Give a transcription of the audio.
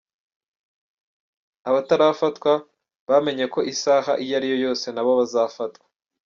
Abatarafatwa bamenye ko isaha iyo ari yo yose na bo bazafatwa."